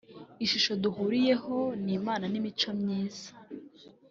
Ishusho duhuriyeho n’Imana ni imico myiza